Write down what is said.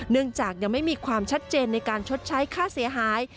จากยังไม่มีความชัดเจนในการชดใช้ค่าเสียหาย